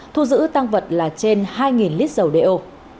thu giữ tăng vật là trên hai lít dầu đệ ô